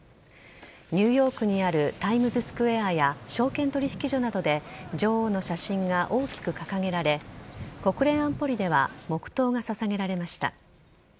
ニューヨークにあるタイムズスクエアや証券取引所などで女王の写真が大きく掲げられ国連安保理では黙とうが捧げられました。